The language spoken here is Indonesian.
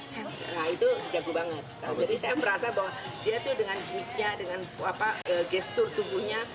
jadi saya merasa bahwa dia tuh dengan gemiknya dengan gestur tubuhnya